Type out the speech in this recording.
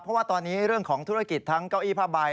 เพราะว่าตอนนี้เรื่องของธุรกิจทั้งเก้าอี้ผ้าใบ